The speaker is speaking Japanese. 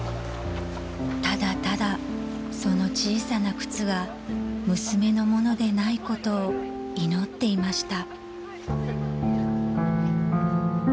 ［ただただその小さな靴が娘のものでないことを祈っていました］